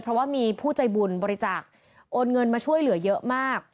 เพราะว่ามีผู้ใจบุญบริจาคโอนเงินมาช่วยเหลือเยอะมาก